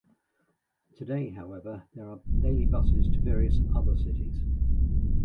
Today, however, there are daily buses to various other cities.